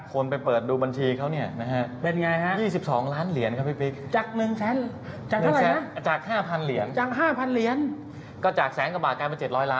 คนไปเปิดดูบัญชีเขานะครับเป็นอย่างไรครับ